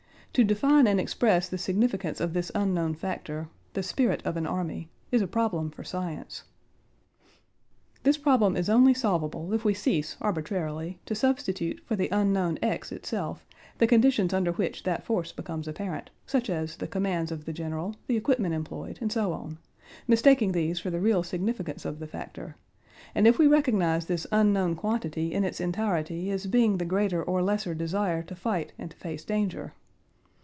To define and express the significance of this unknown factor—the spirit of an army—is a problem for science. This problem is only solvable if we cease arbitrarily to substitute for the unknown x itself the conditions under which that force becomes apparent—such as the commands of the general, the equipment employed, and so on—mistaking these for the real significance of the factor, and if we recognize this unknown quantity in its entirety as being the greater or lesser desire to fight and to face danger.